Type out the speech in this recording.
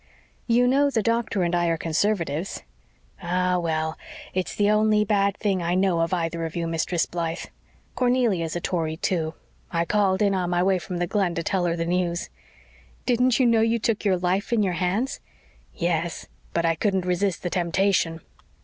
"You know the doctor and I are Conservatives." "Ah, well, it's the only bad thing I know of either of you, Mistress Blythe. Cornelia is a Tory, too. I called in on my way from the Glen to tell her the news." "Didn't you know you took your life in your hands?" "Yes, but I couldn't resist the temptation."